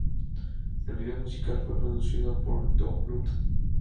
El video musical fue producido por Don Bluth.